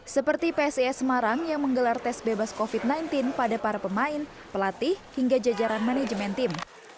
seperti psis semarang yang menggelar tes bebas covid sembilan belas pada para pemain pelatih hingga jajaran manajemen tim